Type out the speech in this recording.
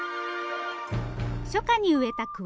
初夏に植えた